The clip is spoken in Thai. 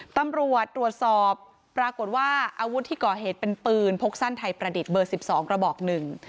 ตำรวจตรวจสอบปรากฏว่าอาวุธที่ก่อเหตุเป็นปืนพกสั้นไทยประดิษฐ์เบอร์สิบสองกระบอกหนึ่ง